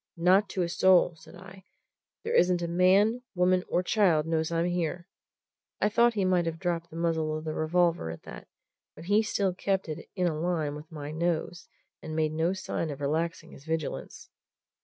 "Not to a soul!" said I. "There isn't man, woman, or child knows I'm here." I thought he might have dropped the muzzle of the revolver at that, but he still kept it in a line with my nose and made no sign of relaxing his vigilance.